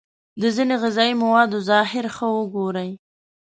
د ځینو غذايي موادو ظاهر ښه وگورئ.